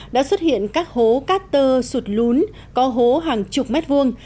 đã xuất hiện các hố cát tơ sụt lún có hố hàng chục mét vuông